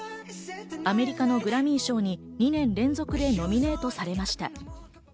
アメリカのグラミー賞に２年連続でノミネートされました。